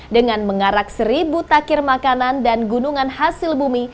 dengan mengarak seribu takir makanan dan gunungan hasil bumi